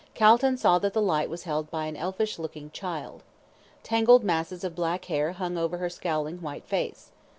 Calton saw that the light was held by an elfish looking child. Tangled masses of black hair hung over her scowling white face.